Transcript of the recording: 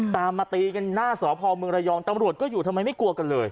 มาตีกันหน้าสพเมืองระยองตำรวจก็อยู่ทำไมไม่กลัวกันเลย